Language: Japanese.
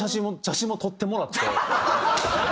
写真も撮ってもらって。